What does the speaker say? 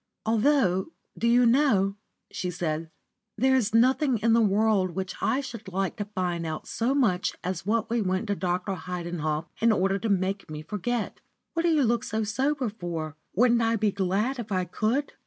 "Although, do you know," she said, "there is nothing in the world which I should like to find out so much as what it was we went to Dr. Heidenhoff in order to make me forget. What do you look so sober for? Wouldn't I really be glad if I could?"